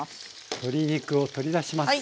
鶏肉を取り出します。